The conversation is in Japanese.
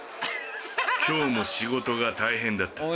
今日も仕事が大変だった。